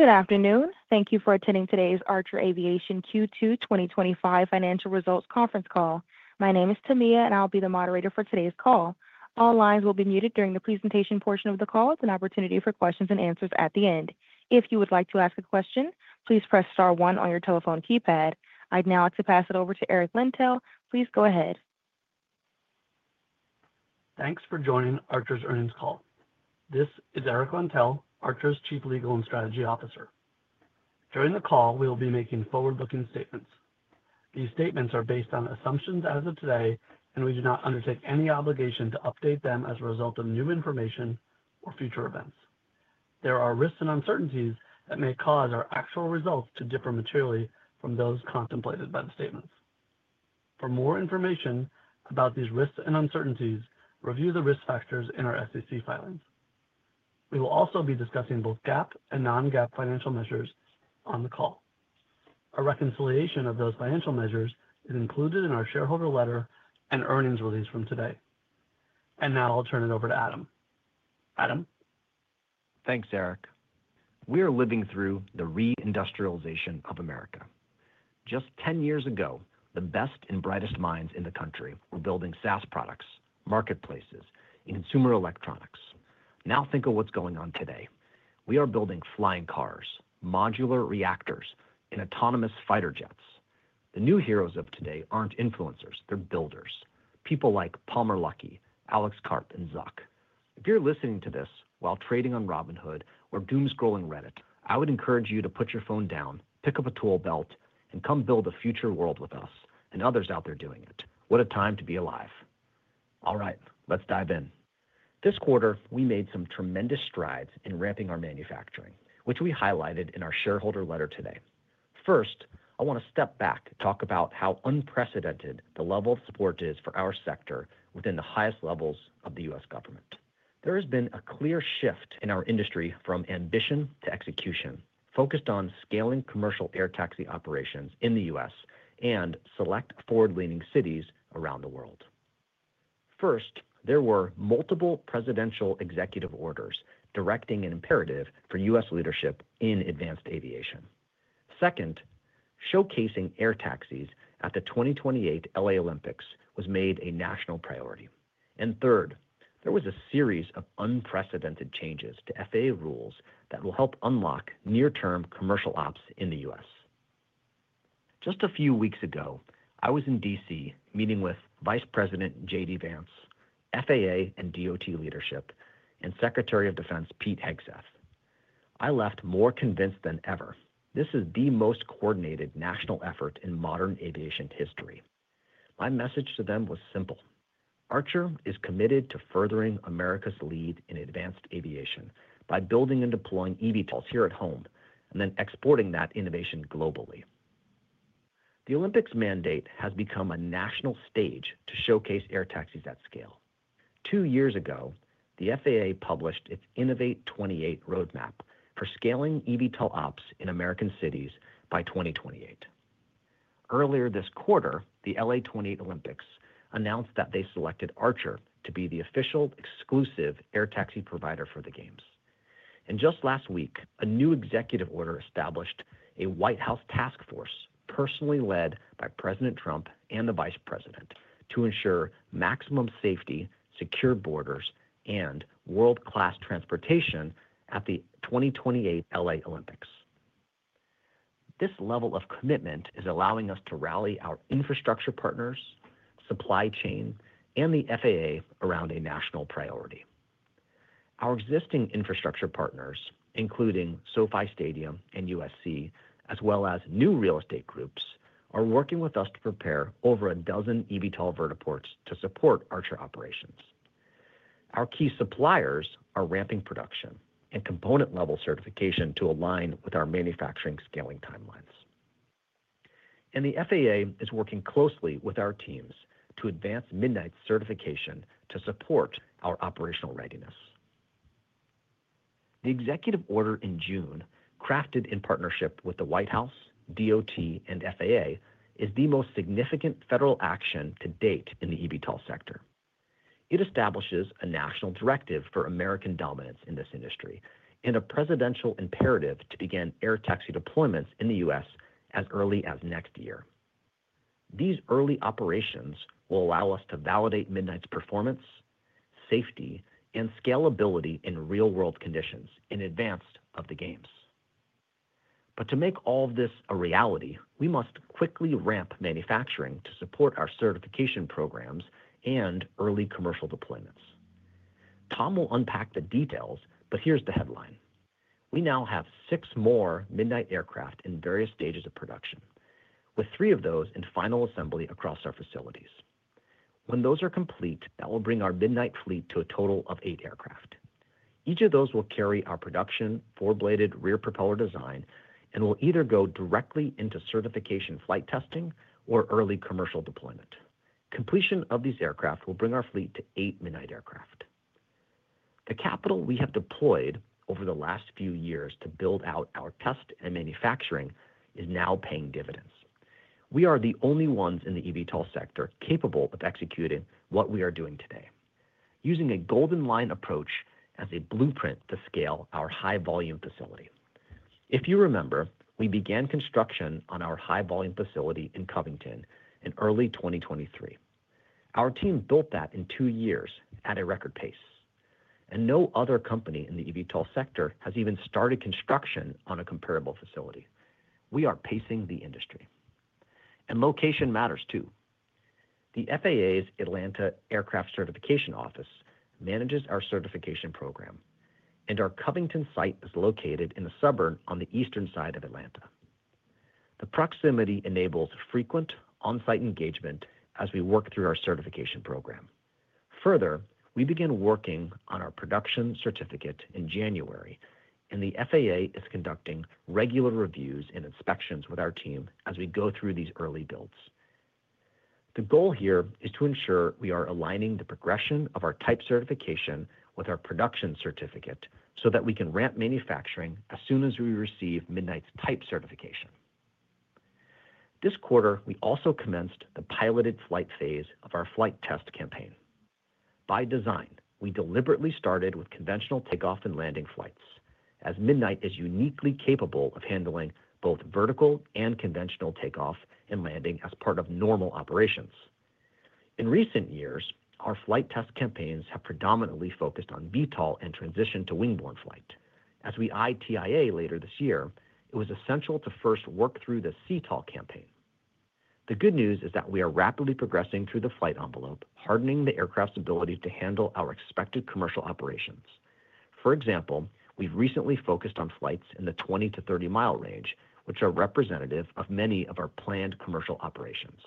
Good afternoon. Thank you for attending today's Archer Aviation Q2 2025 financial results conference call. My name is Tamia and I'll be the moderator for today's call. All lines will be muted during the presentation portion of the call, with an opportunity for questions-and-answers at the end. If you would like to ask a question, please press *1 on your telephone keypad. I'd now like to pass it over to Eric Lentell.Please go ahead. Thanks for joining Archer's earnings call. This is Eric Lentell, Archer's Chief Legal and Strategy Officer. During the call, we will be making forward-looking statements. These statements are based on assumptions as of today, and we do not undertake any obligation to update them as a result of new information or future events. There are risks and uncertainties that may cause our actual results to differ materially from those contemplated by the statements. For more information about these risks and uncertainties, refer to the risk factors in our SEC filings. We will also be discussing both GAAP and non-GAAP financial measures on the call. A reconciliation of those financial measures is included in our shareholder letter and earnings release from today. Now I'll turn it over to Adam. Adam. Thanks, Eric. We are living through the reindustrialization of America. Just 10 years ago, the best and brightest minds in the country were building SaaS products, marketplaces, and consumer electronics. Now, think of what's going on today. We are building flying cars, modular reactors, and autonomous fighter jets. The new heroes of today aren't influencers, they're builders. People like Palmer Luckey, Alex Karp, and Zuck. If you're listening to this while trading on Robinhood or doomscrolling Reddit, I would encourage you to put your phone down, pick up a tool belt, and come build a future world with us and others out there doing it. What a time to be alive. All right, let's dive in. This quarter, we made some tremendous strides in ramping our manufacturing, which we highlighted in our shareholder letter today. First, I want to step back to talk about how unprecedented the level of support is for our sector within the highest levels of the U.S. government. There has been a clear shift in our industry from ambition to execution, focused on scaling commercial air taxi operations in the U.S. and select forward-leaning cities around the world. First, there were multiple presidential executive orders directing an imperative for U.S. leadership in advanced aviation. Second, showcasing air taxis at the 2028 L.A. Olympics was made a national priority. Third, there was a series of unprecedented changes to FAA rules that will help unlock near-term commercial ops in the U.S. Just a few weeks ago, I was in D.C. meeting with Vice President J.D. Vance, FAA and DOT leadership, and Secretary of Defense Pete Hegseth. I left more convinced than ever this is the most coordinated national effort in modern aviation history. My message to them was simple. Archer is committed to furthering America's lead in advanced aviation by building and deploying eVTOLs here at home and then exporting that innovation globally. The Olympics mandate has become a national stage to showcase air taxis at scale. Two years ago, the FAA published its Innovate 28 roadmap for scaling eVTOL ops in American cities by 2028. Earlier this quarter, the L.A. 2028 Olympics announced that they selected Archer to be the official exclusive air taxi provider for the Games. Just last week, a new executive order established a White House task force personally led by President Trump and the Vice President to ensure maximum safety, secure borders, and world-class transportation at the 2028 L.A. Olympics. This level of commitment is allowing us to rally our infrastructure partners, supply chain, and the FAA around a national priority. Our existing infrastructure partners, including SoFi Stadium and USC, as well as new real estate groups, are working with us to prepare over a dozen eVTOL vertiports to support Archer operations. Our key suppliers are ramping production and component-level certification to align with our manufacturing scaling timelines, and the FAA is working closely with our teams to advance Midnight certification to support customers and our operational readiness. The Executive Order in June, crafted in partnership with the White House, DOT, and FAA, is the most significant federal action to date in the eVTOL sector. It establishes a national directive for American dominance in this industry and a presidential imperative to begin air taxi deployments in the U.S. as early as next year. These early operations will allow us to validate Midnight's performance, safety, and scalability in real-world conditions in advance of the Games. To make all of this a reality, we must quickly ramp manufacturing to support our certification programs and early commercial deployments. Tom will unpack the details, but here's the headline. We now have six more Midnight aircraft in various stages of production, with three of those in final assembly across our facilities. When those are complete, that will bring our Midnight fleet to a total of eight aircraft. Each of those will carry our production four-bladed rear propeller design and will either go directly into certification, flight testing, or early commercial deployment. Completion of these aircraft will bring our fleet to eight Midnight aircraft. The capital we have deployed over the last few years to build out our test and manufacturing is now paying dividends. We are the only ones in the eVTOL sector capable of executing what we are doing today using a Golden Line approach as a blueprint to scale our high-volume facility. If you remember, we began construction on our high-volume facility in Covington in early 2023. Our team built that in two years at a record pace, and no other company in the eVTOL sector has even started construction on a comparable facility. We are pacing the industry, and location matters too. The FAA's Atlanta Aircraft Certification Office manages our certification program, and our Covington site is located in the suburb on the eastern side of Atlanta. The proximity enables frequent on-site engagement as we work through our certification program. Further, we begin working on our production certificate in January, and the FAA is conducting regular reviews and inspections with our team as we go through these early builds. The goal here is to ensure we are aligning the progression of our type certification with our production certificate so that we can ramp manufacturing as soon as we receive Midnight's type certification. This quarter, we also commenced the piloted flight phase of our flight test campaign. By design, we deliberately started with conventional takeoff and landing flights, as Midnight is uniquely capable of handling both vertical and conventional takeoff and landing as part of normal operations. In recent years, our flight test campaigns have predominantly focused on eVTOL and transition to wingborne flight. As we eye TIA later this year, it was essential to first work through the CTOL campaign. The good news is that we are rapidly progressing through the flight envelope, hardening the aircraft's ability to handle our expected commercial operations. For example, we've recently focused on flights in the 20-30 mi range, which are representative of many of our planned commercial operations.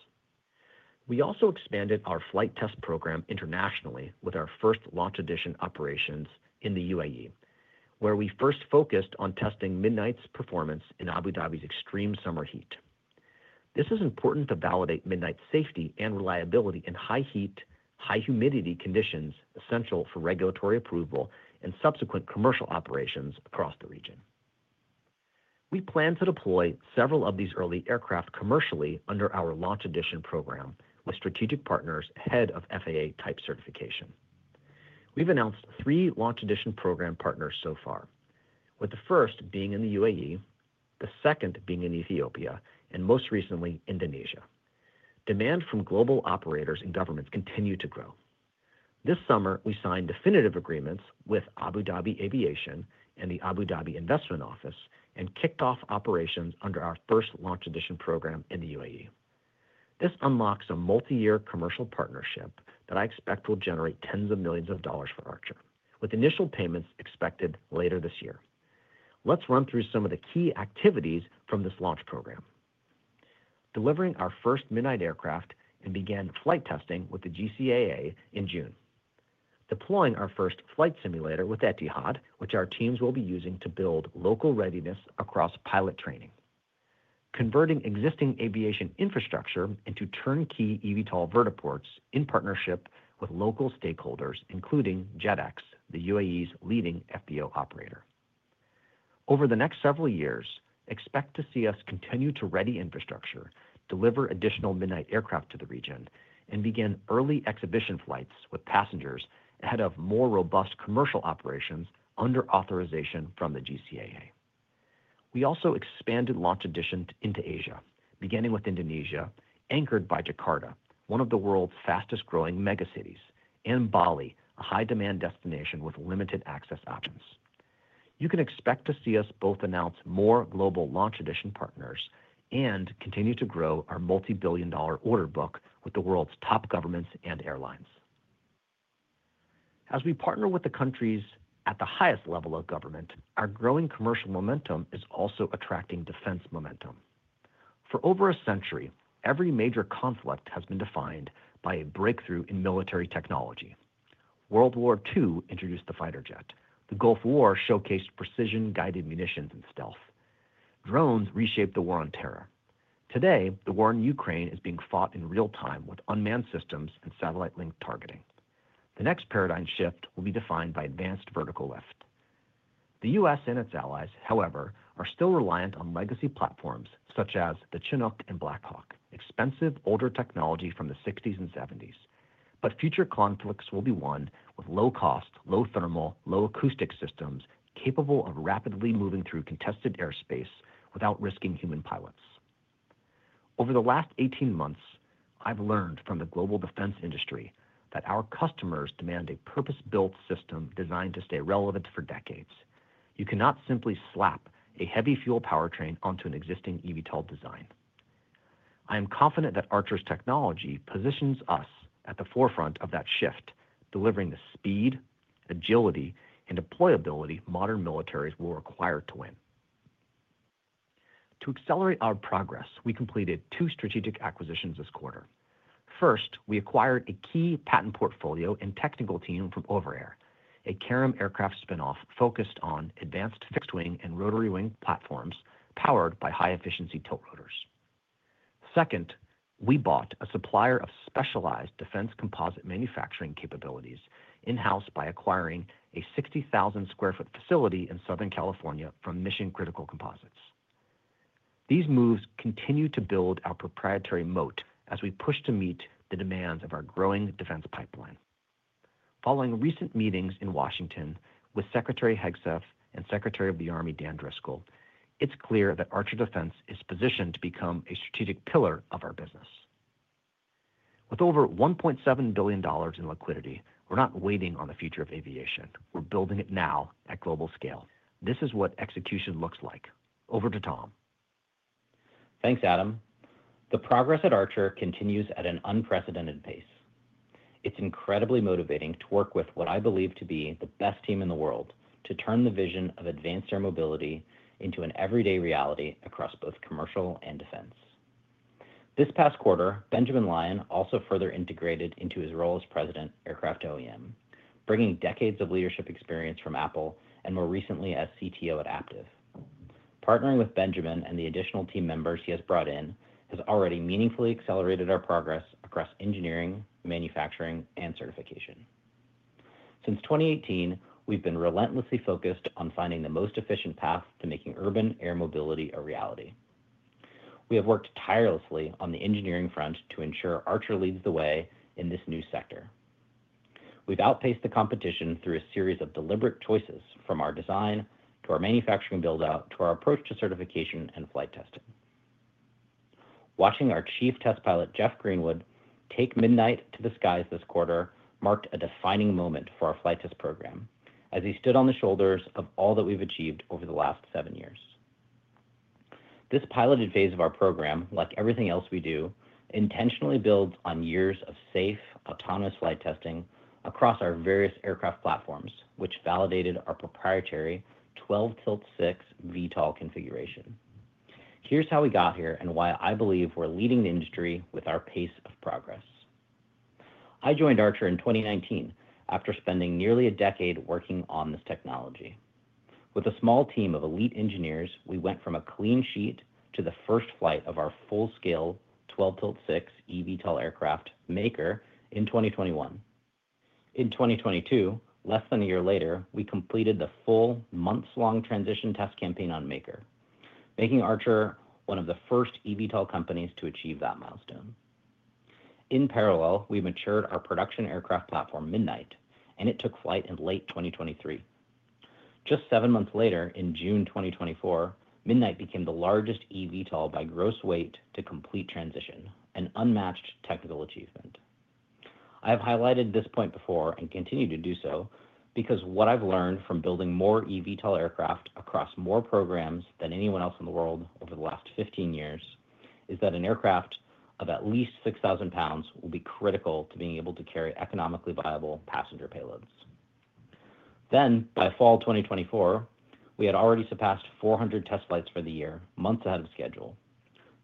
We also expanded our flight test program internationally with our first Launch Edition operations in the UAE, where we first focused on testing Midnight's performance in Abu Dhabi's extreme summer heat. This is important to validate Midnight's safety and reliability in high heat, high humidity conditions, essential for regulatory approval and subsequent commercial operations across the region. We plan to deploy several of these early aircraft commercially under our Launch Edition program with strategic partners ahead of FAA Type Certification, we've announced three Launch Edition program partners so far, with the first being in the UAE, the second being in Ethiopia, and most recently Indonesia. Demand from global operators and governments continues to grow. This summer, we signed definitive agreements with Abu Dhabi Aviation and the Abu Dhabi Investment Office and kicked off operations under our first Launch Edition program in the UAE. This unlocks a multi-year commercial partnership that I expect will generate tens of millions of dollars for Archer, with initial payments expected later this year. Let's run through some of the key activities from this Launch Edition program: delivering our first Midnight aircraft and began flight testing with the GCAA in June, deploying our first flight simulator with Etihad, which our teams will be using to build local readiness across pilot training. Converting existing aviation infrastructure into turnkey eVTOL vertiports in partnership with local stakeholders including Jetex, the UAE's leading FBO operator. Over the next several years, expect to see us continue to ready infrastructure, deliver additional Midnight aircraft to the region, and begin early exhibition flights with passengers ahead of more robust commercial operations. Under authorization from the GCAA, we also expanded Launch Edition into Asia beginning with Indonesia, anchored by Jakarta, one of the world's fastest growing megacities. In Bali, a high demand destination with limited access options, you can expect to see us both announce more global Launch Edition partners and continue to grow our multibillion dollar order book with the world's top governments and airlines as we partner with the countries at the highest level of government. Our growing commercial momentum is also attracting defense momentum. For over a century, every major conflict has been defined by a breakthrough in military technology. World War II introduced the fighter jet, the Gulf War showcased precision guided munitions, and stealth drones reshaped the war on terror. Today the war in Ukraine is being fought in real time with unmanned systems and satellite linked targeting. The next paradigm shift will be defined by advanced vertical lift. The U.S. and its allies, however, are still reliant on legacy platforms such as the Chinook and Black Hawk, expensive older technology from the '60s and '70s, but future conflicts will be won with low cost, low thermal, low acoustic systems capable of rapidly moving through contested airspace without risking human pilots. Over the last 18 months I've learned from the global defense industry that our customers demand a purpose built system designed to stay relevant for decades. You cannot simply slap a heavy fuel powertrain onto an existing eVTOL design. I am confident that Archer's technology positions us at the forefront of that shift, delivering the speed, agility, and deployability modern militaries will require to win. To accelerate our progress, we completed two strategic acquisitions this quarter. First, we acquired a key patent portfolio and technical team from Overair, a Archer Aviation aircraft spinoff focused on advanced fixed wing and rotary wing platforms powered by high efficiency tilt rotors. Second, we bought a supplier of specialized defense composite manufacturing capabilities in house by acquiring a 60,000 sq ft facility in Southern California from Mission Critical Composites. These moves continue to build our proprietary moat as we push to meet the demands of our growing defense pipeline. Following recent meetings in Washington with Secretary Hegseth and Secretary of the Army Dan Driscoll, it's clear that Archer Defense is positioned to become a strategic pillar of our business. With over $1.7 billion in liquidity, we're not waiting on the future of aviation. We're building it now at global scale. This is what execution looks like. Over to Tom. Thanks, Adam. The progress at Archer continues at an unprecedented pace. It's incredibly motivating to work with what I believe to be the best team in the world and to turn the vision of advanced air mobility into an everyday reality across both commercial and defense. This past quarter, Benjamin Lyon also further integrated into his role as President, Aircraft OEM, bringing decades of leadership experience from Apple and more recently as CTO at Aptiv. Partnering with Benjamin and the additional team members he has brought in has already meaningfully accelerated our progress across engineering, manufacturing, and certification. Since 2018, we've been relentlessly focused on finding the most efficient path to making urban air mobility a reality. We have worked tirelessly on the engineering front to ensure Archer leads the way in this new sector. We've outpaced the competition through a series of deliberate choices, from our design to our manufacturing build out, to our approach to certification and flight testing. Watching our Chief Test Pilot, Jeff Greenwood, take Midnight to the skies this quarter marked a defining moment for our flight test program as he stood on the shoulders of all that we've achieved over the last seven years. This piloted phase of our program, like everything else we do, intentionally builds on years of safe autonomous flight testing across our various aircraft platforms, which validated our proprietary 12-tilt-6 eVTOL configuration. Here's how we got here and why I believe we're leading the industry with our pace of progress. I joined Archer in 2019 after spending nearly a decade working on this technology with a small team of elite engineers. We went from a clean sheet to the first flight of our full scale 12-tilt-6 eVTOL aircraft Maker in 2021. In 2022, less than a year later, we completed the full months long transition test campaign on Maker, making Archer one of the first eVTOL companies to achieve that milestone. In parallel, we matured our production aircraft platform Midnight, and it took flight in late 2023. Just seven months later, in June 2024, Midnight became the largest eVTOL by gross weight to complete transition, an unmatched technical achievement. I have highlighted this point before and continue to do so because what I've learned from building more eVTOL aircraft across more programs than anyone else in the world over the last 15 years is that an aircraft of at least 6,000 lbs will be critical to being able to carry economically viable passenger payloads. By fall 2024, we had already surpassed 400 test flights for the year, months ahead of schedule.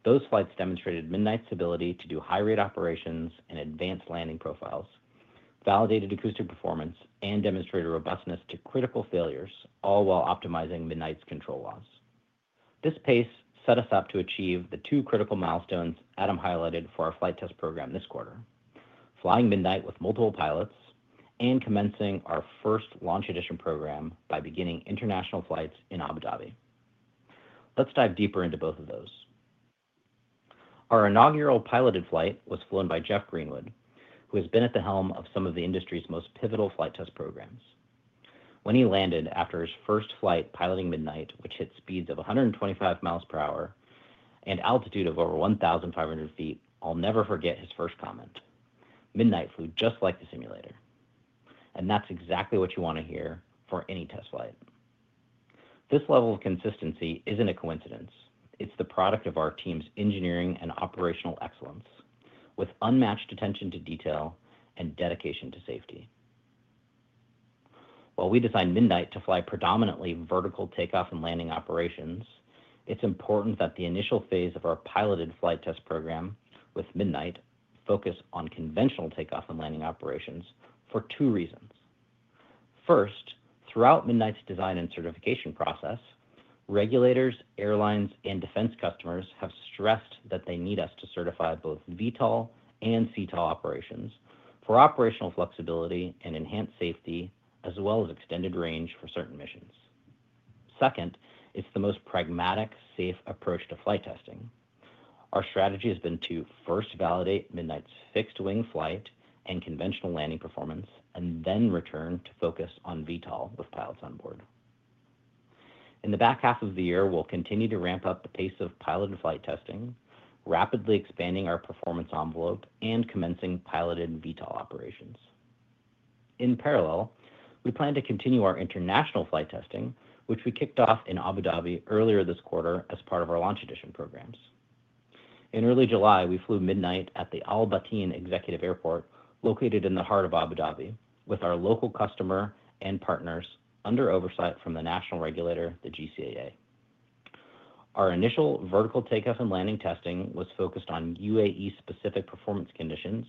Those flights demonstrated Midnight's ability to do high rate operations and advanced landing profiles, validated acoustic performance and demonstrated robustness to critical failures, all while optimizing Midnight's control laws. This pace set us up to achieve the two critical milestones Adam highlighted for our flight test program: flying Midnight with multiple pilots and commencing our first Launch Edition program by beginning international flights in Abu Dhabi. Let's dive deeper into both of those. Our inaugural piloted flight was flown by Jeff Greenwood, who has been at the helm of some of the industry's most pivotal flight test programs. When he landed after his first flight piloting Midnight, which hit speeds of 125 mi/hr and altitude of over 1,500 ft, I'll never forget his first comment. Midnight flew just like the simulator, and that's exactly what you want to hear for any test flight. This level of consistency isn't a coincidence. It's the product of our team's engineering and operational excellence with unmatched attention to detail and dedication to safety. While we designed Midnight to fly predominantly vertical takeoff and landing operations, it's important that the initial phase of our piloted flight test program with Midnight focus on conventional takeoff and landing operations for two reasons. First, throughout Midnight's design and certification process, regulators, airlines, and defense customers have stressed that they need us to certify both VTOL and CTOL operations for operational flexibility and enhanced safety as well as extended range for certain missions. Second, it's the most pragmatic, safe approach to flight testing. Our strategy has been to first validate Midnight's fixed wing flight and conventional landing performance and then return to focus on VTOL with pilots on board. In the back half of the year, we'll continue to ramp up the pace of pilot and flight testing, rapidly expanding our performance envelope and commencing piloted VTOL operations. In parallel, we plan to continue our international flight testing, which we kicked off in Abu Dhabi earlier this quarter as part of our Launch Edition programs. In early July, we flew Midnight at the Al Bateen Executive Airport located in the heart of Abu Dhabi with our local customer and partners under oversight from the national regulator, the GCAA. Our initial vertical takeoff and landing testing was focused on UAE-specific performance conditions,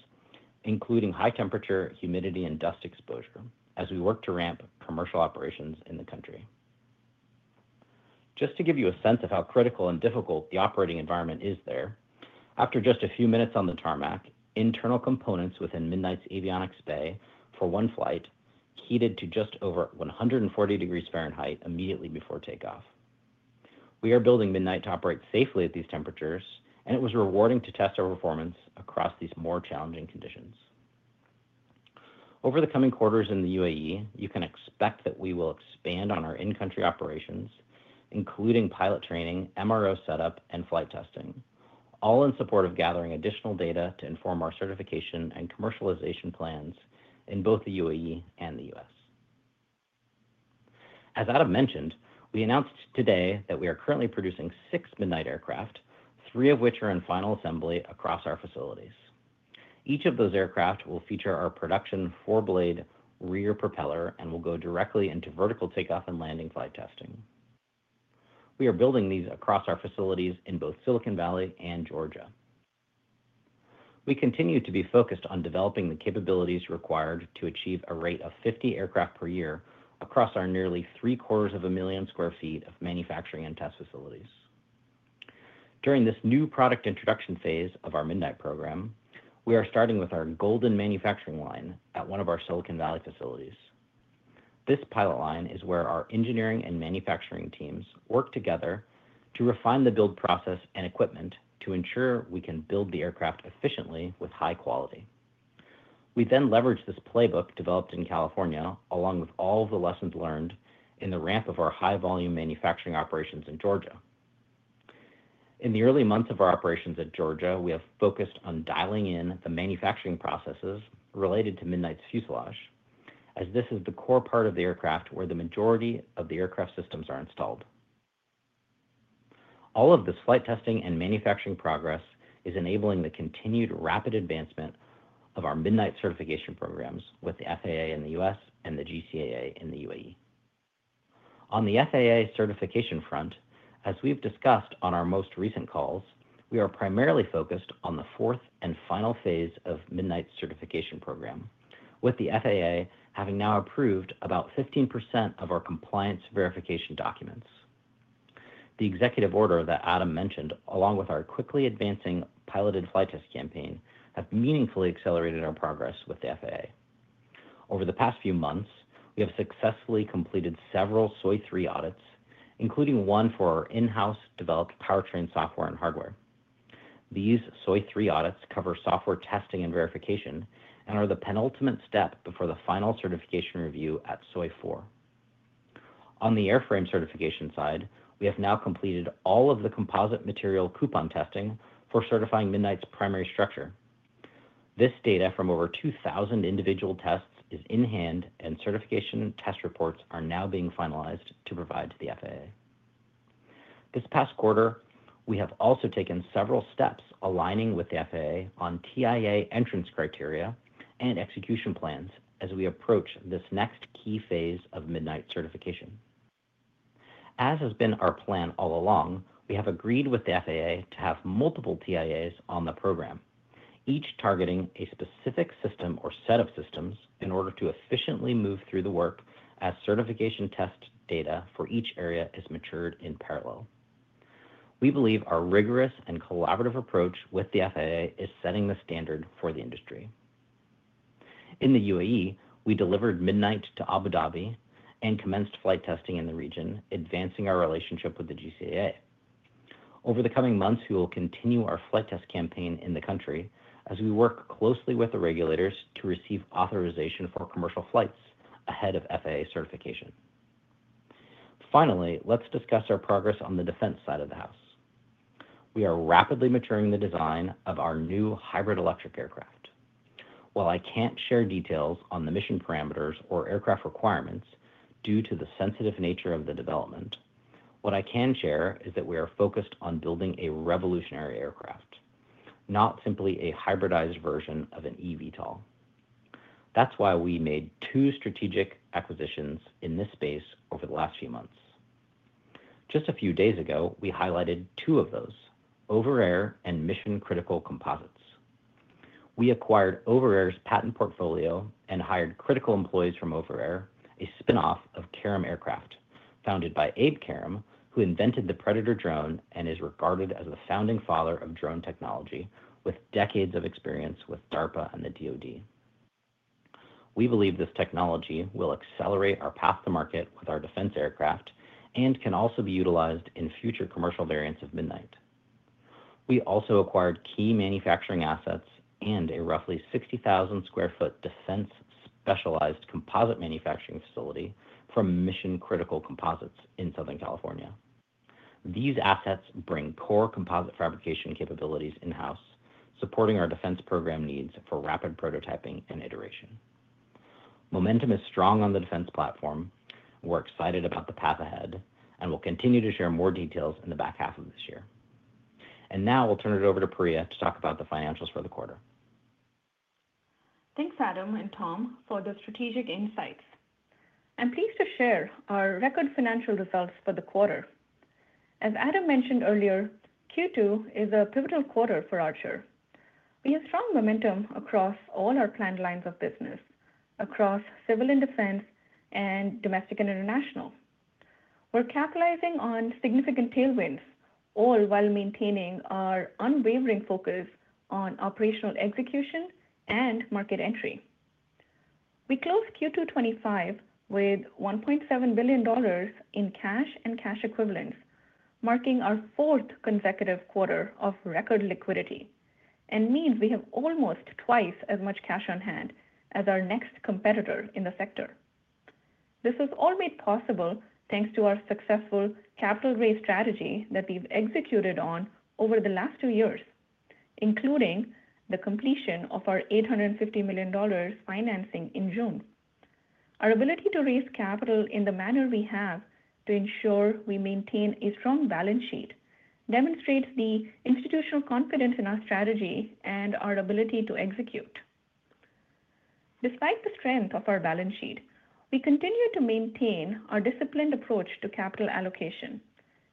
including high temperature, humidity, and dust exposure as we work to ramp commercial operations in the country. Just to give you a sense of how critical and difficult the operating environment is there, after just a few minutes on the tarmac, internal components within Midnight's avionics bay for one flight heated to just over 140 degrees Fahrenheit immediately before takeoff. We are building Midnight to operate safely at these temperatures, and it was rewarding to test our performance across these more challenging conditions. Over the coming quarters in the UAE, you can expect that we will expand on our in-country operations, including pilot training, MRO setup, and flight testing, all in support of gathering additional data to inform our certification and commercialization plans in both the UAE and the U.S. As Adam mentioned, we announced today that we are currently producing six Midnight aircraft, three of which are in final assembly across our facilities. Each of those aircraft will feature our production 4 blade rear propeller and will go directly into vertical takeoff and landing flight testing. We are building these across our facilities in both Silicon Valley and Georgia. We continue to be focused on developing the capabilities required to achieve a rate of 50 aircraft per year across our nearly 750,000 sq ft of manufacturing and test facilities. During this new product introduction phase of our Midnight program, we are starting with our Golden Manufacturing Line at one of our Silicon Valley facilities. This pilot line is where our engineering and manufacturing teams work together to refine the build, process, and equipment to ensure we can build the aircraft efficiently with high quality. We then leverage this playbook developed in California along with all the lessons learned in the ramp of our high volume manufacturing operations in Georgia. In the early months of our operations at Georgia, we have focused on dialing in the manufacturing processes related to Midnight's fuselage, as this is the core part of the aircraft where the majority of the aircraft systems are installed. All of this flight testing and manufacturing progress is enabling the continued rapid advancement of our Midnight certification programs with the FAA in the U.S. and the GCAA in the UAE. On the FAA certification front, as we've discussed on our most recent calls, we are primarily focused on the fourth and final phase of Midnight certification program with the FAA having now approved about 15% of our compliance verification documents. The executive order that Adam mentioned, along with our quickly advancing piloted flight test campaign, have meaningfully accelerated our progress with the FAA. Over the past few months, we have successfully completed several SOI-3 audits, including one for our in-house developed powertrain software and hardware. These SOI-3 audits cover software testing and verification and are the penultimate step before the final certification review at SOI-4. On the airframe certification side, we have now completed all of the composite material coupon testing for certifying Midnight's primary structure. This data from over 2,000 individual tests is in hand, and certification test reports are now being finalized to provide to the FAA. This past quarter, we have also taken several steps aligning with the FAA on TIA entrance criteria and execution plans as we approach this next key phase of Midnight certification. As has been our plan all along, we have agreed with the FAA to have multiple TIAs on the program, each targeting a specific system or set of systems in order to efficiently move through the work as certification test data for each area is matured in parallel. We believe our rigorous and collaborative approach with the FAA is setting the standard for the industry. In the UAE, we delivered Midnight to Abu Dhabi and commenced flight testing in the region, advancing our relationship with the GCAA. Over the coming months, we will continue our flight test campaign in the country as we work closely with the regulators to receive authorization for commercial flights ahead of FAA certification. Finally, let's discuss our progress on the defense side of the house. We are rapidly maturing the design of our new hybrid electric aircraft. While I can't share details on the mission parameters or aircraft requirements due to the sensitive nature of the development, what I can share is that we are focused on building a revolutionary aircraft, not simply a hybridized version of an eVTOL. That's why we made two strategic acquisitions in this space over the last few months. Just a few days ago, we highlighted two of those, Overair and Mission Critical Composites. We acquired Overair's patent portfolio and hired critical employees from Overair, a spinoff of Karem Aircraft founded by Abe Karem, who invented the Predator drone and is regarded as the founding father of drone technology. With decades of experience with DARPA and the DOD, we believe this technology will accelerate our path to market with our defense aircraft and can also be utilized in future commercial variants of Midnight. We also acquired key manufacturing assets and a roughly 60,000 sq ft defense specialized composite manufacturing facility from Mission Critical Composites in Southern California. These assets bring core composite fabrication capabilities in house, supporting our defense program needs for rapid prototyping and iteration. Momentum is strong on the defense platform. We are excited about the path ahead and we will continue to share more details in the back half of this year. Now we will turn it over to Priya to talk about the financials for the quarter. Thanks Adam and Tom for the strategic insights. I'm pleased to share our record financial results for the quarter. As Adam mentioned earlier, Q2 is a pivotal quarter for Archer. We have strong momentum across all our planned lines of business, across civil and defense and domestic and international. We're capitalizing on significant tailwinds, all while maintaining our unwavering focus on operational execution and market entry. We closed Q2 2025 with $1.7 billion in cash and cash equivalents, marking our fourth consecutive quarter of record liquidity and means we have almost twice as much cash on hand as our next competitor in the sector. This is all made possible thanks to our successful capital raise strategy that we've executed on over the last two years, including the completion of our $850 million financing in June. Our ability to raise capital in the manner we have to ensure we maintain a strong balance sheet demonstrates the institutional confidence in our strategy and our ability to execute. Despite the strength of our balance sheet, we continue to maintain our disciplined approach to capital allocation,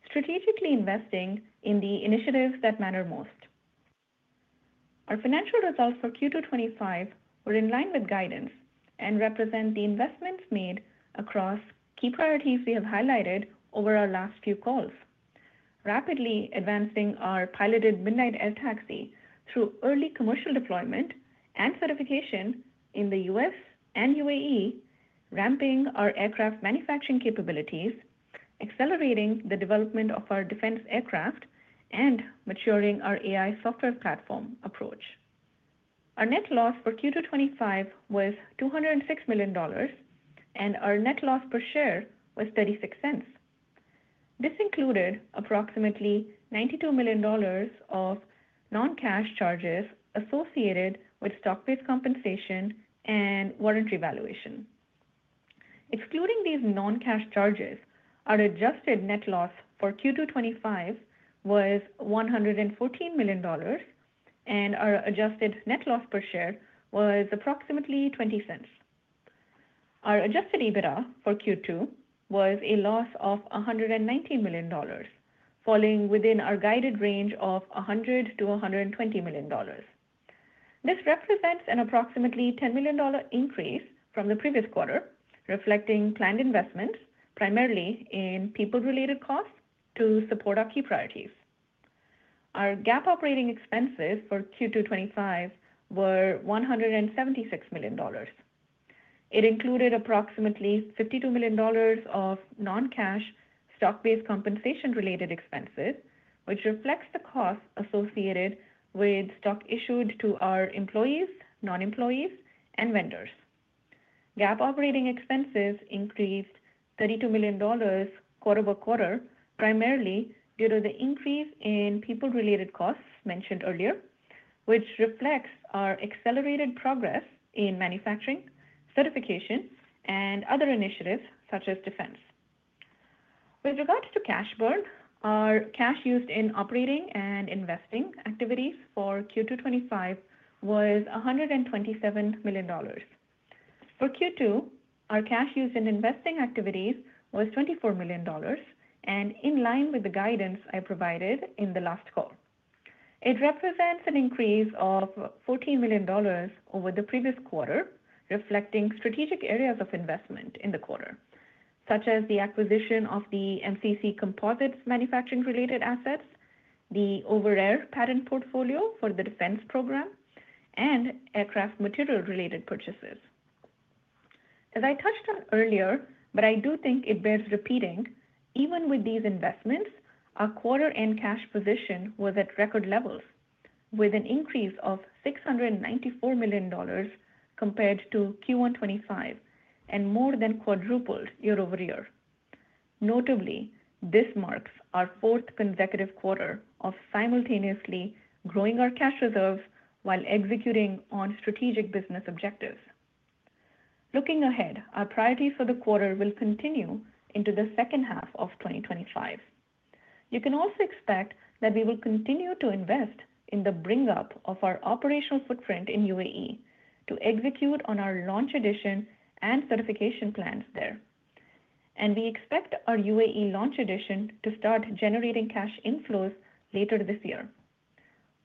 strategically investing in the initiatives that matter most. Our financial results for Q2 2025 were in line with guidance and represent the investments made across key priorities we have highlighted over our last few calls, rapidly advancing our piloted Midnight air taxi through early commercial deployment and certification in the U.S. and UAE, ramping our aircraft manufacturing capabilities, accelerating the development of our defense aircraft and maturing our AI software platform approach. Our net loss for Q2 2025 was $206 million and our net loss per share was $0.36. This included approximately $92 million of non-cash charges associated with stock-based compensation and warranty valuation. Excluding these non-cash charges, our adjusted net loss for Q2 2025 was $114 million and our adjusted net loss per share was approximately $0.20. Our adjusted EBITDA for Q2 was a loss of $190 million, falling within our guided range of $100-$120 million. This represents an approximately $10 million increase from the previous quarter reflecting planned investments primarily in people-related costs to support our key priorities. Our GAAP operating expenses for Q2 2025 were $176 million. It included approximately $52 million of non-cash stock-based compensation related expenses, which reflects the costs associated with stock issued to our employees, non-employees, and vendors. GAAP operating expenses increased $32 million quarter-over-quarter, primarily due to the increase in people-related costs mentioned earlier, which reflects our accelerated progress in manufacturing, certification, and other initiatives such as defense. With regards to cash burn, our cash used in operating and investing activities for Q2 2025 was $127 million. For Q2, our cash used in investing activities was $24 million, and in line with the guidance I provided in the last call, it represents an increase of $14 million over the previous quarter, reflecting strategic areas of investment in the quarter such as the acquisition of the MCC Composites manufacturing-related assets, the Overair patent portfolio for the defense program, and aircraft material-related purchases. As I touched on earlier, but I do think it bears repeating even with these investments, our quarter-end cash position was at record levels with an increase of $694 million compared to Q1 2025 and more than quadrupled year over year. Notably, this marks our fourth consecutive quarter of simultaneously growing our cash reserves while executing on strategic business objectives. Looking ahead, our priorities for the quarter will continue into the second half of 2025. You can also expect that we will continue to invest in the bring up of our operational footprint in UAE to execute on our Launch Edition and certification plans there. We expect our UAE Launch Edition to start generating cash inflows later this year.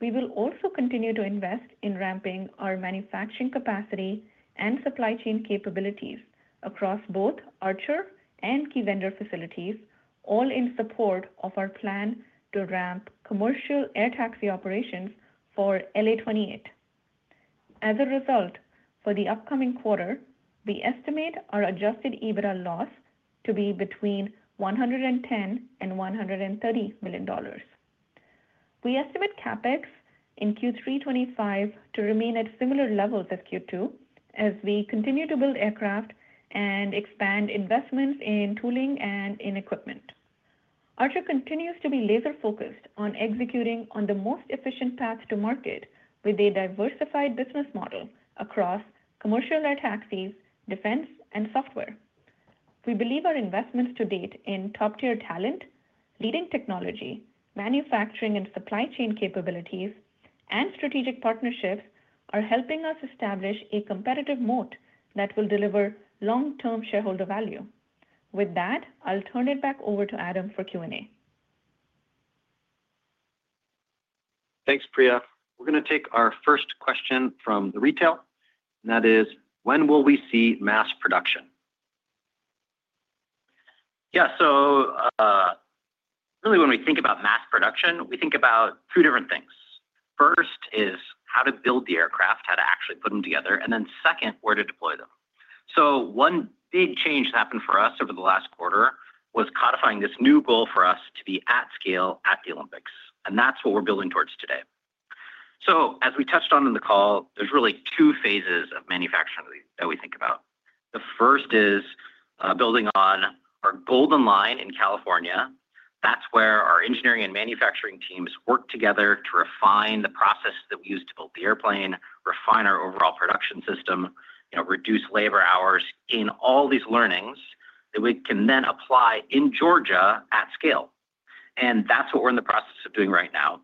We will also continue to invest in ramping our manufacturing capacity and supply chain capabilities across both Archer and key vendor facilities, all in support of our plan to ramp commercial air taxi operations for LA 28. As a result, for the upcoming quarter we estimate our adjusted EBITDA loss to be between $110 million and $130 million. We estimate CapEx in Q3 2025 to remain at similar levels as Q2 as we continue to build aircraft and expand investments in tooling and in equipment. Archer continues to be laser focused on executing on the most efficient path to market with a diversified business model across commercial air taxis, defense, and software. We believe our investments to date in top tier talent, leading technology, manufacturing and supply chain capabilities, and strategic partnerships are helping us establish a competitive moat that will deliver long-term shareholder value. With that, I'll turn it back over to Adam for Q&A. Thanks, Priya. We're going to take our first question from the retail, and that is when will we see mass production? Yeah, so really when we think about mass production, we think about two different things. First is how to build the aircraft, how to actually put them together, and then second, where to deploy them. One big change happened for us over the last quarter, which was codifying this new goal for us to be at scale at the Olympics. That's what we're building towards today. As we touched on in the call, there's really two phases of manufacturing that we think about. The first is building on our Golden Line in California. That's where our engineering and manufacturing teams work together to refine the process that we use to build the airplane, refine our overall production system, reduce labor hours in all these learnings that we can then apply in Georgia at scale. That's what we're in the process of doing right now.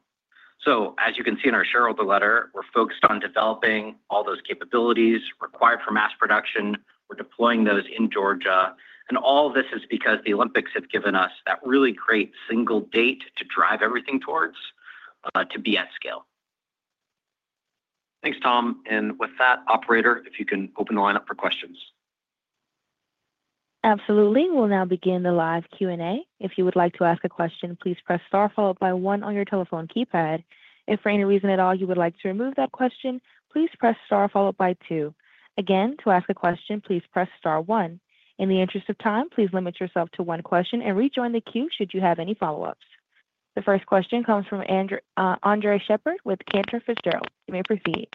As you can see in our shareholder letter, we're focused on developing all those capabilities required for mass production. We're deploying those in Georgia. All this is because the Olympics have given us that really great single date to drive everything towards to be at scale. Thanks, Tom. With that, operator, if you can open the lineup for questions. Absolutely. We'll now begin the live Q&A. If you would like to ask a question, please press star followed by one on your telephone keypad. If for any reason at all you would like to remove that question, please press star followed by two. Again, to ask a question, please press star one. In the interest of time, please limit yourself to one question and rejoin the queue should you have any follow-ups. The first question comes from Andres Sheppard with Cantor Fitzgerald. You may proceed.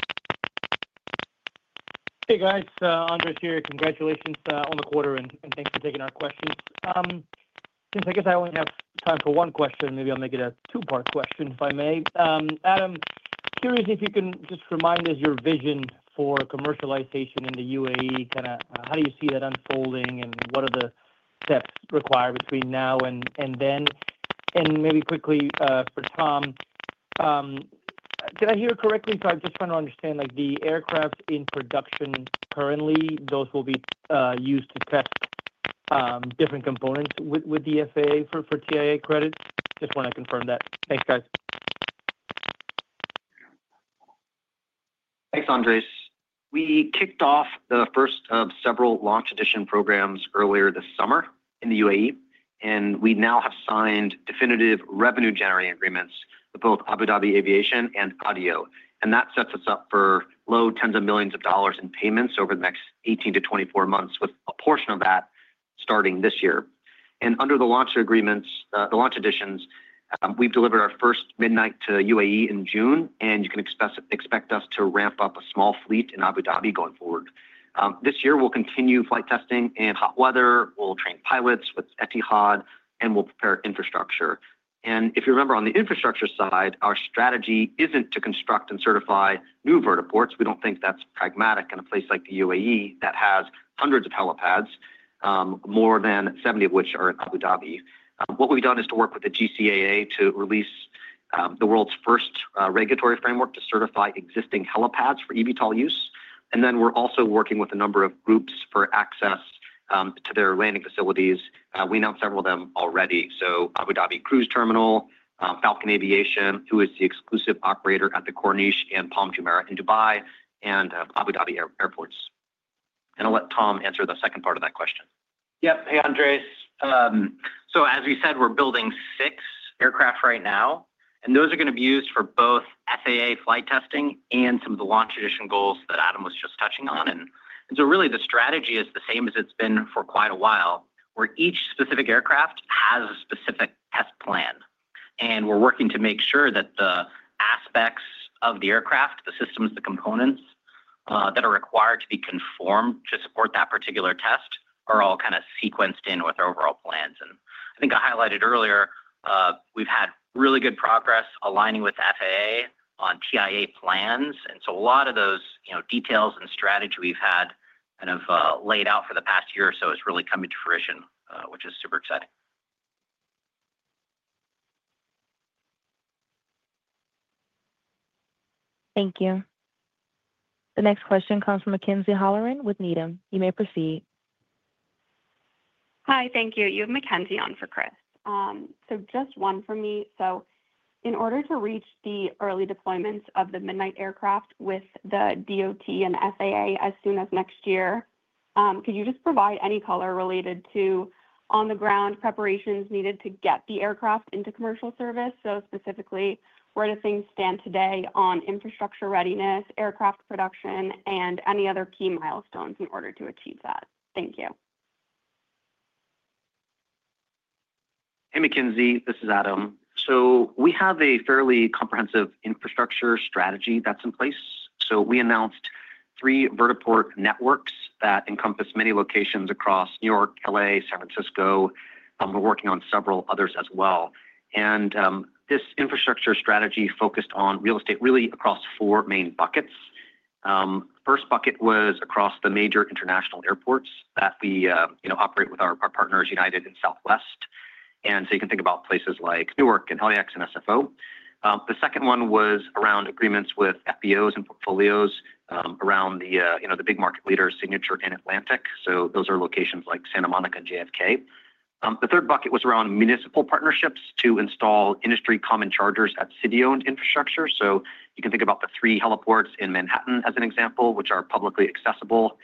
Hey guys, Andres here. Congratulations on the quarter and thanks for taking our questions. Since I guess I only have time for one question, maybe I'll make it a two part question, if I may. Adam, curious, if you can just remind us your vision for commercialization in the UAE, kind of, how do you see that unfolding and what are the steps required between now and then, and maybe quickly for Tom. Did I hear correctly? I'm just trying to understand, like the aircraft in production currently, those will be used to test different components with the FAA for TIA credit. Just want to confirm that. Thanks guys. Thanks, Andres. We kicked off the first of several Launch Edition programs earlier this summer in the UAE, and we now have signed definitive revenue-generating agreements with both Abu Dhabi Aviation and [ADIO]. That sets us up for low tens of millions of dollars in payments over the next 18-24 months, with a portion of that starting this year. Under the Launch Edition agreements, we've delivered our first Midnight to the UAE in June, and you can expect us to ramp up a small fleet in Abu Dhabi going forward. This year we will continue flight testing in hot weather, we will train pilots with Etihad, and we will prepare infrastructure. If you remember, on the infrastructure side, our strategy is not to construct and certify new vertiports. We do not think that is pragmatic in a place like the UAE that has hundreds of helipads, more than 70 of which are in Abu Dhabi. What we've done is to work with the GCAA to release the world's first regulatory framework to certify existing helipads for eVTOL use, and then we're also working with a number of groups for access to their landing facilities. We've announced several of them already, including Abu Dhabi Cruise Terminal and Falcon Aviation, who is the exclusive operator at the Corniche and Palm Jumeirah in Dubai and Abu Dhabi airports. I'll let Tom answer the second part of that question. Yep. Hey, Andres. As we said, we're building six aircraft right now and those are going to be used for both FAA flight testing and some of the Launch Edition goals that Adam was just touching on. Really, the strategy is the same as it's been for quite a while were each specific aircraft has a specific test plan. We're working to make sure that the aspects of the aircraft, the systems, the components that are required to be conformed to support that particular test are all kind of sequenced in with overall plans. I think I highlighted earlier we've had really good progress aligning with FAA on TIA plans. A lot of those, you know details and strategy we've had kind of laid out for the past year.It's really coming to fruition, which is super exciting. Thank you. The next question comes from Mackenzie Holleran with Needham. You may proceed. Hi, thank you. You have Mackenzie on for Chris, so just one for me. In order to reach the early deployments of the Midnight aircraft with the DOT and FAA as soon as next year, could you just provide any color related to on-the-ground preparations needed to get the aircraft into commercial service? Specifically, where do things stand today on infrastructure readiness, aircraft production, and any other key milestones in order to achieve that? Thank you. Hey Mackenzie, this is Adam. We have a fairly comprehensive infrastructure strategy that's in place. We announced three vertiport networks that encompass many locations across New York, L.A., San Francisco, and we're working on several others as well. This infrastructure strategy focused on real estate really across four main buckets. The first bucket was across the major international airports that we operate with our partners United and Southwest. You can think about places like Newark, LAX, and SFO. The second one was around agreements with FBOs and portfolios around the, you know the big market leader, Signature and Atlantic. Those are locations like Santa Monica and JFK. The third bucket was around municipal partnerships to install industry common chargers at city-owned infrastructure. You can think about the three heliports in Manhattan as an example, which are publicly accessible.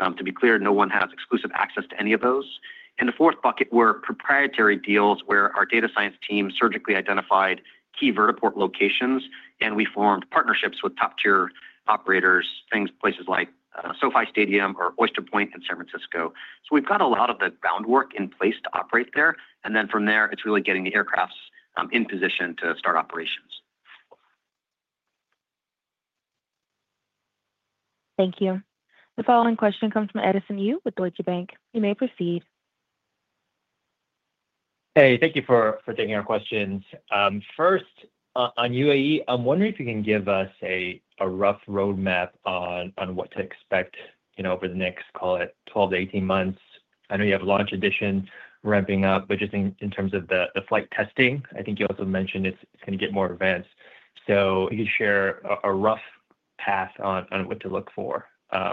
To be clear, no one has exclusive access to any of those. The fourth bucket were proprietary deals where our data science team surgically identified key vertiport locations, and we formed partnerships with top-tier operators. Things like places such as SoFi Stadium or Oyster Point in San Francisco. We've got a lot of the groundwork in place to operate there, and from there it's really getting the aircraft in position to start operations. Thank you. The following question comes from Edison Yu with Deutsche Bank. You may proceed. Hey, thank you for taking our questions. First on UAE, I'm wondering if you can give us a rough roadmap on what to expect over the next, call it, 12-18 months? I know you have Launch Edition ramping up, but just in terms of the flight testing, I think you also mentioned it's going to get more advanced. If you could share a rough path on what to look for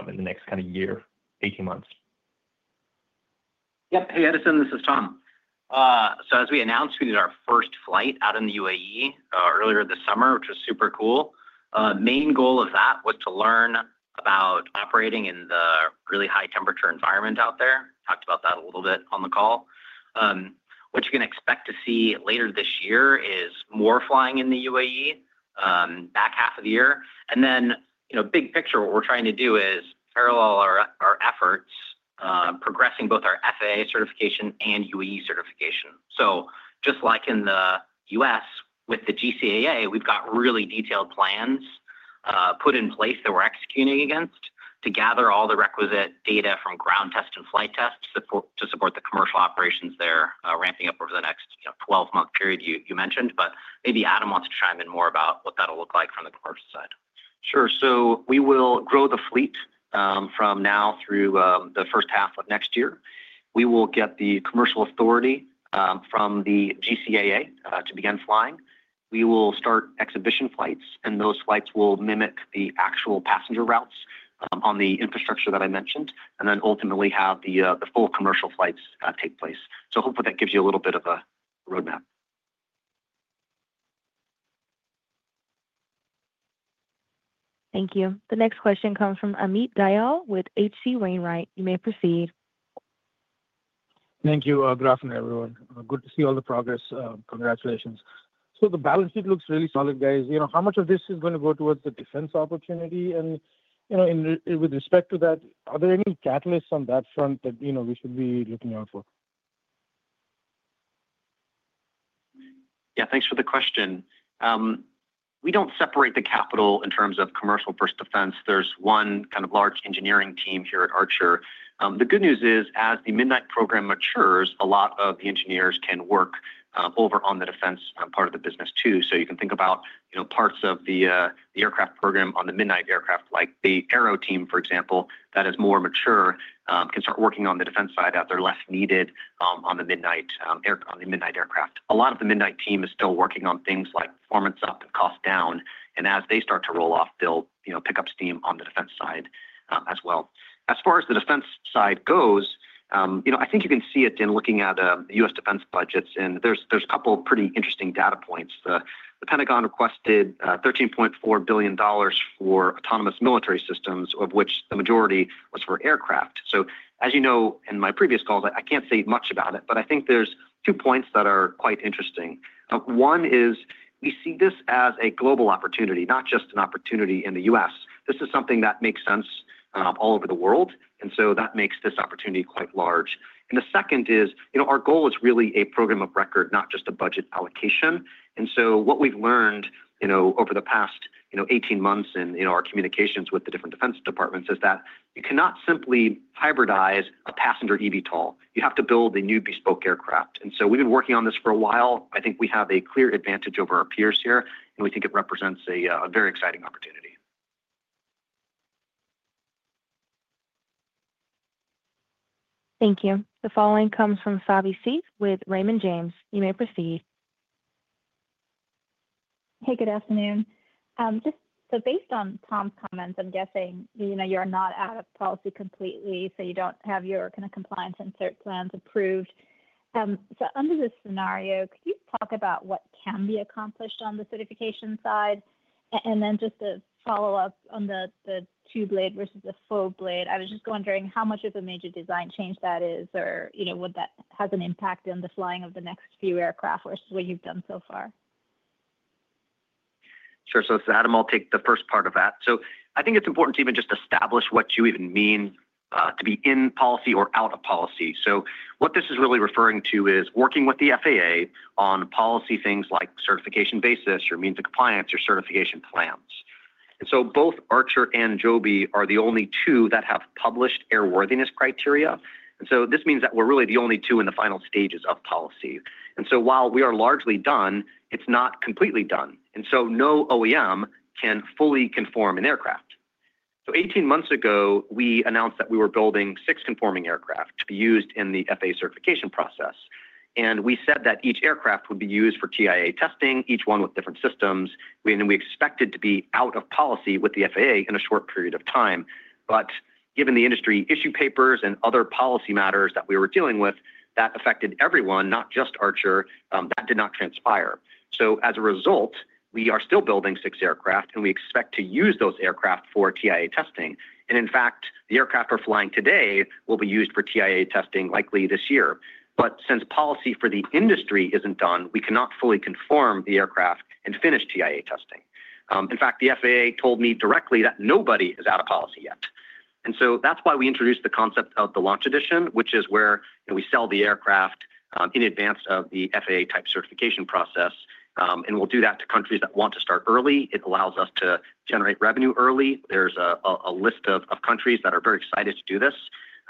in the next, kind of, year, 18 months. Yep. Hey Edison, this is Tom. As we announced, we did our first flight out in the UAE earlier this summer, which was super cool. The main goal of that was to learn about operating in the really high temperature environment out there. Talked about that a little bit on the call. What you can expect to see later. This year is more flying in the UAE back half of the year, and then, you know, big picture, what we're trying to do is parallel our efforts progressing both our FAA certification and UAE certification. Just like in the U.S. with the GCAA, we've got really detailed plans put in place that we're executing against to gather all the requisite data from ground test and flight test to support the commercial operations there. They're ramping up over the next 12-month period you mentioned. Maybe Adam wants to chime in more about what that'll look like from the commercial side. Sure. We will grow the fleet from now through the first half of next year. We will get the commercial authority from the GCAA to begin flying. We will start exhibition flights, and those flights will mimic the actual passenger routes on the infrastructure that I mentioned, and then ultimately have the full commercial flights take place. Hopefully that gives you a little.it of a roadmap. Thank you. The next question comes from Amit Dayal with H.C. Wainwright. You may proceed. Thank you. Good afternoon everyone. Good to see all the progress. Congratulations. The balance sheet looks really solid, guys. You know how much of this is going to go towards the defense opportunity? With respect to that, are there any catalysts on that front that we should be looking out for? Yeah, thanks for the question. We don't separate the capital in terms of commercial first defense. There's one kind of large engineering team here at Archer. The good news is, as the Midnight program matures, a lot of the engineers can work over on the defense part of the business, too. You can think about parts of the aircraft program on the Midnight aircraft, like the Aero Team, for example, that is more mature, can start working on the defense side, that they're less needed on the Midnight aircraft. A lot of the Midnight team is still working on things like performance up and cost down as they start to roll off, they'll pick up steam on the defense side as well. As far as the defense side goes, you know, I think you can see it in looking at the U.S. Defense budgets, and there's a couple of pretty interesting data. The Pentagon requested $13.4 billion for autonomous military systems, of which the majority was for aircraft. As you know, in my previous calls, I can't say much about it, I think there's two points that are quite interesting. One is we see this as a global opportunity, not just an opportunity in the U.S. This is something that makes sense all over the world, and that makes this opportunity quite large. The second is, you know, our goal is really a program of record not just a budget allocation. What we've learned, you know over the past 18 months in our communications with the different defense departments, you cannot simply hybridize a passenger eVTOL. You have to build a new bespoke aircraft. We've been working on this for a while. I think we have a clear advantage over our peers here, and we think it represents a very exciting opportunity. Thank you. The following comes from Savi Syth with Raymond James. You may proceed. Hey, good afternoon. Just so, based on Tom's comments, I'm guessing, you know, you're not out of policy completely, so you don't have your kind of compliance and cert plans approved. Under this scenario, could you talk about what can be accomplished on the certification side? Just to follow up on the two blade versus the full blade, I was just wondering how much of a major design change that is or, you know, what that has an impact on the flying of the next few aircraft versus what you've done so far? Sure. Adam, I'll take the first part of that. I think it's important to even just establish what you even mean to be in policy or out of policy. What this is really referring to is working with the FAA on policy, things like certification basis, your means of compliance, your certification plans. Both Archer and Joby are the only two that have published airworthiness criteria. This means that we're really the only two in the final stages of policy. While we are largely done it's not completely done. No OEM can fully conform an aircraft. Eighteen months ago, we announced that we were building six conforming aircraft to be used in the FAA certification process. We said that each aircraft would be used for TIA testing, each one with different systems. We expected to be out of policy with the FAA in a short period of time, given the industry issue papers and other policy matters that we were dealing with. That affected everyone, not just Archer, that did not transpire. As a result, we are still building six aircraft, and we expect to use those aircraft for TIA testing. Infact, the aircraft are flying today will be used for TIA testing, likely this year. Since policy for the industry isn't done. We cannot fully conform the aircraft and finish TIA testing. In fact, the FAA told me directly that nobody is out of policy yet. That's why we introduced the concept of the Launch Edition, which is where we sell the aircraft in advance of the FAA type certification process, we'll do that to countries that want to start early. It allows us to generate revenue early. There's a list of countries that are very excited to do this.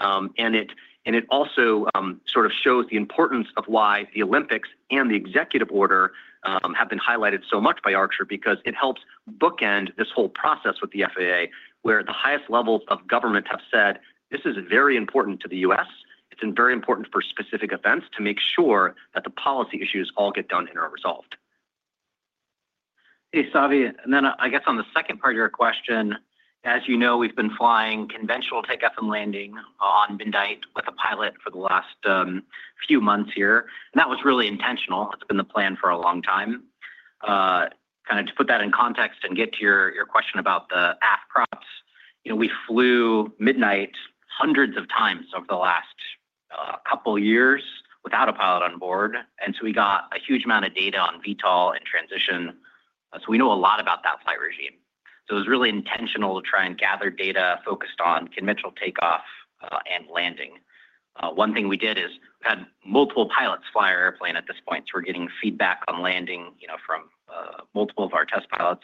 It also sort of shows the importance of why the Olympics and the Executive Order have been highlighted so much by Archer, because it helps bookend this whole process with the FAA, where the highest levels of government have said, "This is very important to the U.S., it's very important for specific events to make sure that the policy issues all get done and are resolved." Hey, Savi. On the second part of your question, as you know, we've been flying conventional takeoff and landing on Midnight with a pilot for the last few months here. That was really intentional. It's been the plan for a long time, kind of to put that in context and get to your question about the aft crops. We flew Midnight hundreds of times over the last couple years without a pilot on board, and we got a huge amount of data on VTOL and transition, so we know a lot about that flight regime. It was really intentional to try and gather data focused on conventional takeoff and landing. One thing we did is had multiple pilots fly our airplane at this point. We're getting feedback on landing from multiple of our test pilots.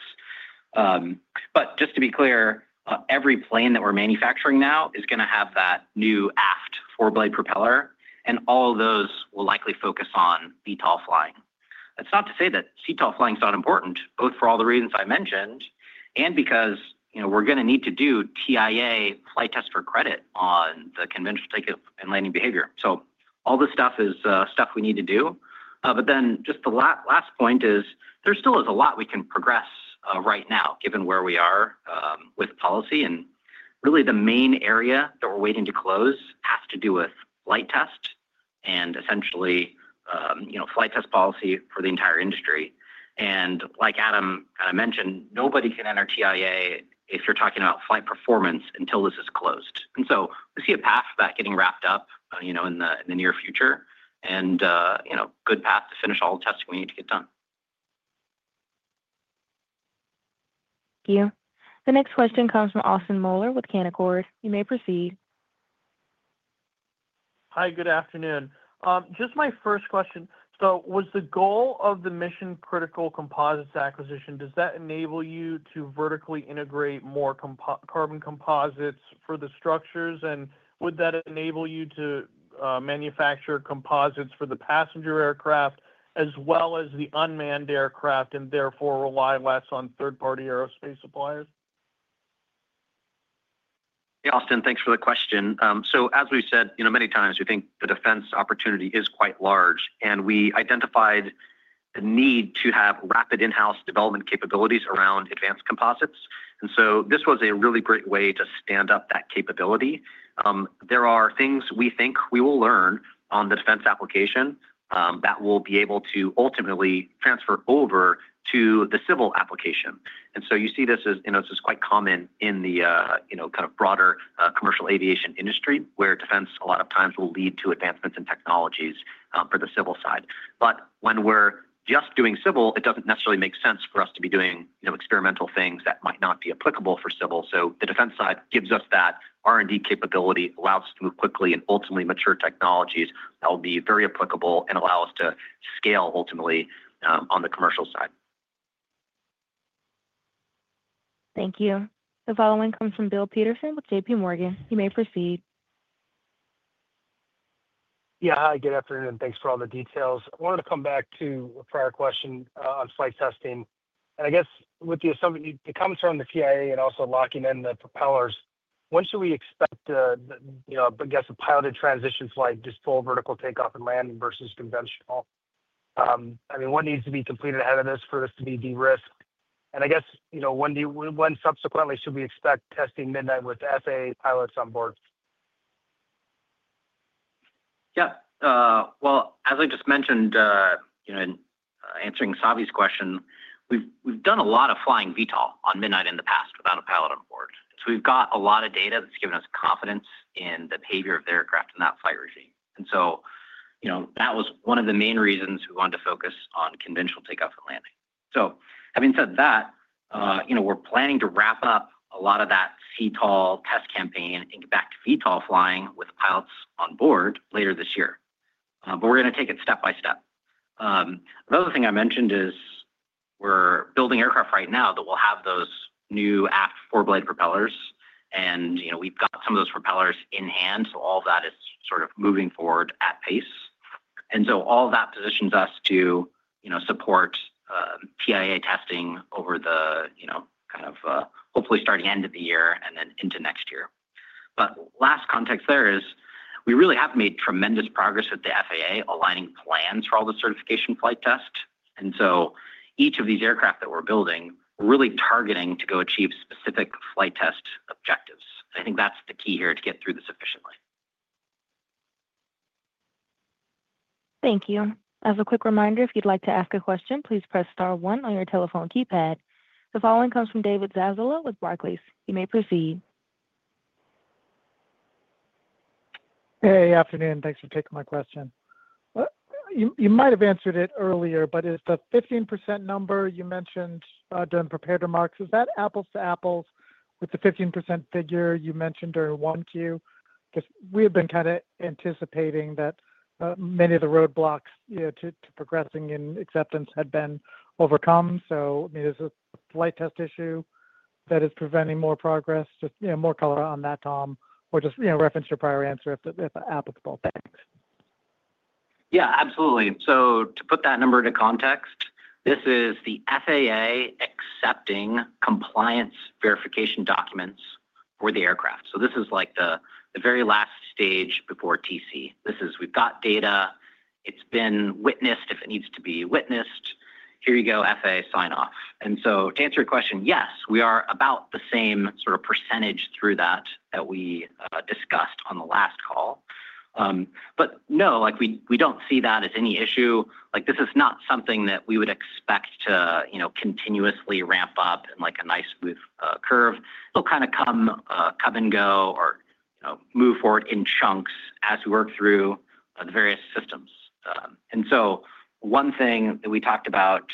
Just to be clear, every plane that we're manufacturing now is going to have that new aft four-blade propeller, and all of those will likely focus on VTOL flying. That's not to say that CTOL flying is not important, both for all the reasons I mentioned and because we're going to need to do TIA flight test for credit on the conventional takeoff and landing behavior. All this stuff is stuff we need to do. The last point is there still is a lot we can progress right now given where we are with policy. Really the main area that we're waiting to close has to do with flight test and essentially flight test policy for the entire industry. Like Adam kind of mentioned, nobody can enter TIA if you're talking about flight performance until this is closed. We see a path for that getting wrapped up in the near future and a good path to finish all the tests we need to get done. Thank you. The next question comes from Austin Moeller with Canaccord.You may proceed. Hi, good afternoon. My first question, was the goal of the Mission Critical Composites acquisition to enable you to vertically integrate more carbon composites for the structures, and would that enable you to manufacture composites for the passenger aircraft as well as the unmanned aircraft, and therefore rely less on third-party aerospace suppliers? Austin, thanks for the question. As we've said many times, we think the defense opportunity is quite large and we identified the need to have rapid in-house development capabilities around advanced composites. This was a really great way to stand up that capability. There are things we think we will learn on the defense application that will be able to ultimately transfer over to the civil application. You see this as, you know, this is quite common in the broader commercial aviation industry where defense a lot of times will lead to advancements in technologies for the civil side. When we're just doing civil, it doesn't necessarily make sense for us to be doing experimental things that might not be applicable for civil. The defense side gives us that R&D capability, allows us to move quickly, and ultimately mature technologies that will be very applicable and allow us to scale ultimately on the commercial side. Thank you. The following comes from Bill Peterson with JPMorgan. You may proceed. Yeah, hi, good afternoon. Thanks for all the details. I wanted to come back to a prior question on flight testing. I guess with the assumption it comes from the TIA and also locking in the propellers, when should we expect, you know, I guess a piloted transition flight, just full vertical takeoff and landing versus conventional? I mean, what needs to be completed ahead of this, for this to be de-risked? I guess, you know, when do you, when subsequently should we expect testing Midnight with FAA pilots on board? As I just mentioned, answering Savi's question, we've done a lot of flying VTOL on Midnight in the past without a pilot on board. We've got a lot of data that's given us confidence in the behavior of the aircraft in that flight regime. That was one of the main reasons we wanted to focus on conventional takeoff and landing. Having said that, we're planning to wrap up a lot of that CTOL test campaign and get back to VTOL flying with pilots on board later this year. We're going to take it step by step. Another thing I mentioned is we're building aircraft right now that will have those new aft four-blade propellers. We've got some of those propellers in hand. All that is moving forward at pace. All that positions us to support TIA testing over the you know, hopefully starting end. Of the year and then into next year. The last context there is, we really have made tremendous progress at the FAA aligning plans for all the certification flight test. Each of these aircraft that we're building really targeting to go achieve specific flight test objectives. I think that's the key here to get through this efficiently. Thank you. As a quick reminder, if you'd like to ask a question, please press star one on your telephone keypad. The following comes from David Zazula with Barclays. You may proceed. Hey, afternoon. Thanks for taking my question. You might have answered it earlier, but the 15% number you mentioned during prepared remarks, is that apples to apples with the 15% figure you mentioned during 1Q? We have been kind of anticipating that many of the roadblocks to progressing in acceptance had been overcome. Is this light test issue that is preventing more progress? Just more color on that, Tom, or just reference your prior answer if applicable. Thanks. Yeah, absolutely. To put that number into context, this is the FAA accepting compliance verification documents for the aircraft. This is like the very last stage before TC. This is we've got data, it's been witnessed, if it needs to be witnessed. Here you go FAA sign off. To answer your question, yes, we are about the same sort of percentage through that that we discussed on the last call. No, we don't see that as any issue. This is not something that we would expect to continuously ramp up in a nice smooth curve. It'll kind of come and go or move forward in chunks as we work through the various systems. One thing that we talked about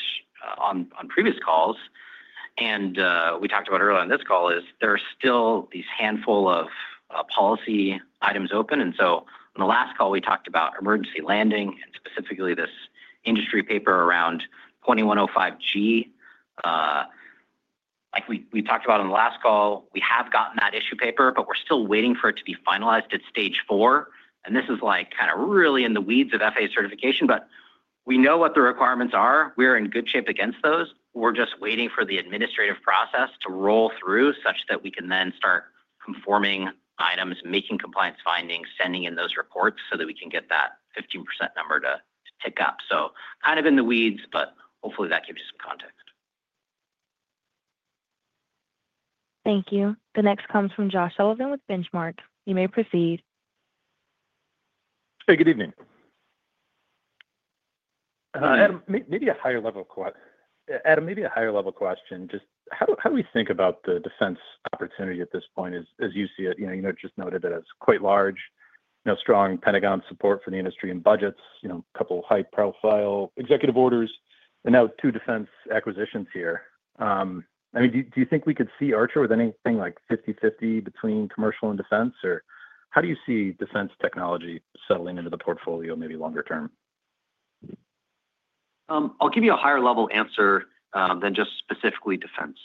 on previous calls and we talked about earlier on this call is there are still these handful of policy items open. On the last call we talked about emergency landing and specifically this industry paper, around 2,105 g. We talked about on the last call, we have gotten that issue paper, but we're still waiting for it to be finalized at stage four. This is kind of really in the weeds of FAA certification, but we know what the requirements are. We're in good shape against those. We're just waiting for the administrative process to roll through, such that we can then start conforming items, making compliance findings, sending in those reports so that we can get that 15% number to pick up. Kind of in the weeds, but hopefully that gives you some context. Thank you. The next question comes from Josh Sullivan with Benchmark. You may proceed. Hey, good evening, Adam. Maybe a higher level question. Just how do we think about that defense opportunity at this point as you see it? You just noted that it's quite large now. Strong Pentagon support for the industry and budgets, a couple high profile executive orders, and now two defense acquisitions here. Do you think we could see Archer with anything like 50/50 between commercial and defense? Or how do you see defense technology settling into the portfolio, maybe longer-term? I'll give you a higher-level answer than just specifically defense.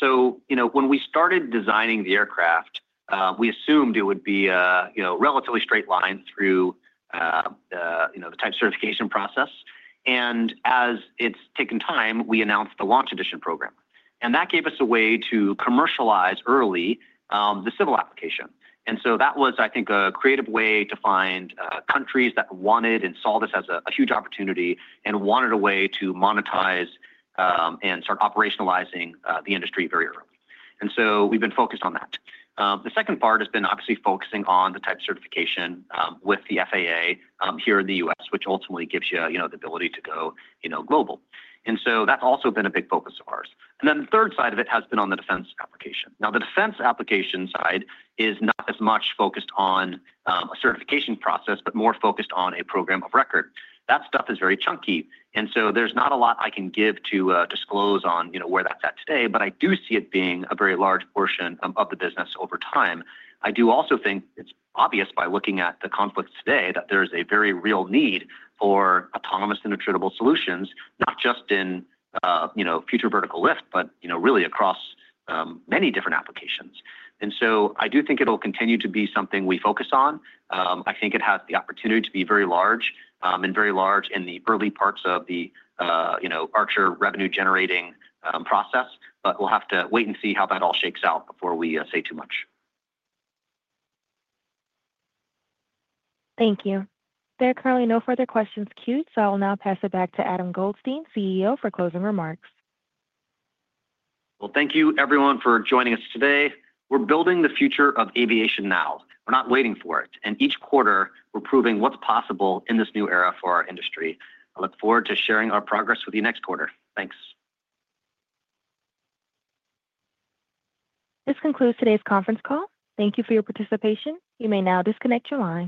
When we started designing the aircraft, we assumed it would be relatively straight line through the type certification process. As it's taken time, we announced the Launch Edition program, and that gave us a way to commercialize early the civil application. I think it was a creative way to find countries that wanted and saw this as a huge opportunity and wanted a way to monetize and start operationalizing the industry very early. We've been focused on that. The second part has been obviously focusing on the type certification with the FAA here in the U.S., which ultimately gives you the ability to go global. That's also been a big focus of ours. The third side of it has been on the defense application. Now, the defense application side is not as much focused on a certification process, but more focused on a program of record. That stuff is very chunky. There's not a lot I can give to disclose on where that's at today. I do see it being a very large portion of the business over time. I also think it's obvious by looking at the conflicts today that there's a very real need for autonomous and attributable solutions, not just in future vertical lift, but really across many different applications. I do think it'll continue to be something we focus on. I think it has the opportunity to be very large and very large in the early parts of the Archer revenue generating process. We'll have to wait and see how that all shakes out before we say too much. Thank you. There are currently no further questions queued, so I will now pass it back to Adam Goldstein, CEO, for closing remarks. Thank you everyone for joining us today. We're building the future of aviation now. We're not waiting for it. Each quarter we're proving what's possible in this new era for our industry. I look forward to sharing our progress with you next quarter. Thanks. This concludes today's conference call. Thank you for your participation. You may now disconnect your line.